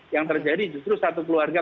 yang terjadi justru satu keluarga